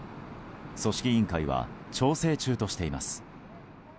組織委員会は調整中としています。